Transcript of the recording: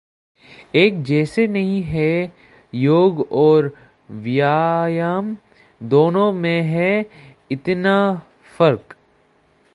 एक जैसे नहीं हैं योग और व्यायाम, दोनों में है इतना फर्क